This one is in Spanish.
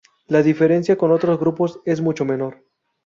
La diferencia con otros grupos es mucho menor.